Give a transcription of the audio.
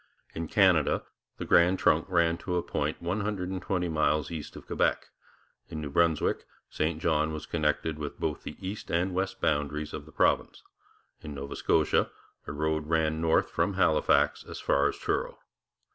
In Canada the Grand Trunk ran to a point 120 miles east of Quebec; in New Brunswick, St John was connected with both the east and west boundaries of the province; in Nova Scotia, a road ran north from Halifax as far as Truro.